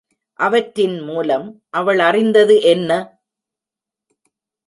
அவற்றின் மூலம் அவள் அறிந்தது என்ன?